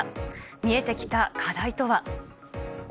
見えてきた課題とは。